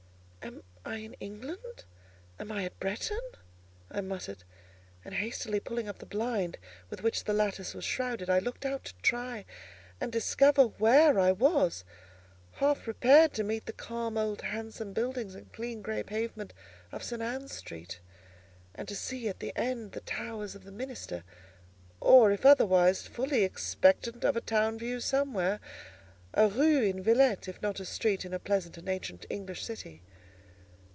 "Am I in England? Am I at Bretton?" I muttered; and hastily pulling up the blind with which the lattice was shrouded, I looked out to try and discover where I was; half prepared to meet the calm, old, handsome buildings and clean grey pavement of St. Ann's Street, and to see at the end the towers of the minster: or, if otherwise, fully expectant of a town view somewhere, a rue in Villette, if not a street in a pleasant and ancient English city.